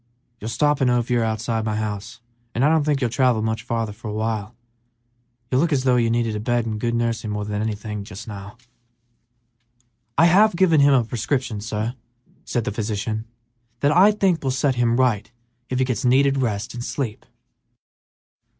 You don't stop in Ophir outside of my house, and I don't think you'll travel much farther for a while. You look as though you needed a bed and good nursing more than anything else just now." "I have given him a prescription, sir," said the physician, "that I think will set him right if he gets needed rest and sleep."